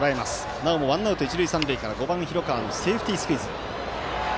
なおもワンアウト、一塁三塁から５番、広川のセーフティースクイズ。